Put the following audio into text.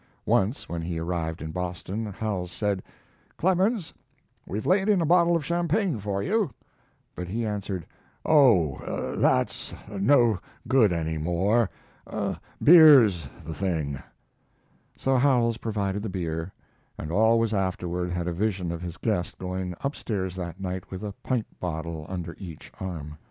Once, when he arrived in Boston, Howells said: "Clemens, we've laid in a bottle of champagne for you." But he answered: "Oh, that's no good any more. Beer's the thing." So Howells provided the beer, and always afterward had a vision of his guest going up stairs that night with a pint bottle under each arm.